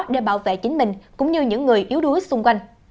để bảo vệ chính mình cũng như những người yếu đuối xung quanh